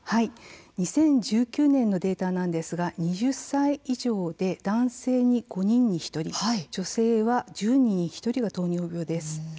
２０１９年のデータですが２０歳以上で、男性の５人に１人女性は１０人に１人が糖尿病です。